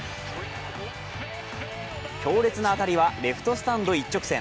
強烈な当たりはレフトスタンド一直線。